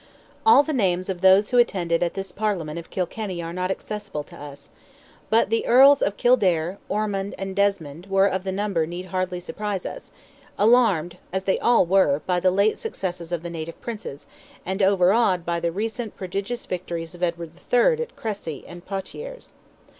All the names of those who attended at this Parliament of Kilkenny are not accessible to us; but that the Earls of Kildare, Ormond, and Desmond, were of the number need hardly surprise us, alarmed as they all were by the late successes of the native princes, and overawed by the recent prodigious victories of Edward III. at Cressy and Poictiers.